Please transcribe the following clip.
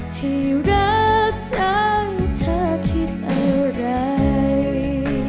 ที่รักจังเธอคิดอะไร